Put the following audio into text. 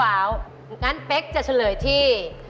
อย่างนั้นเป๊กจะเฉลยที่